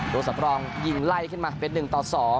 ตัวสำรองยิงไล่ขึ้นมาเป็น๑ต่อ๒